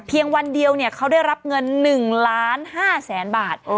เพียงวันเดียวเขาได้รับเงิน๑๕๐๐๐๐๐บาท